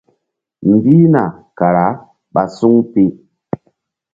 Mbihna kara ɓa suŋ pi.